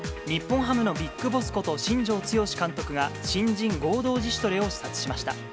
日本ハムのビッグボスこと、新庄剛志監督が、新人合同自主トレを視察しました。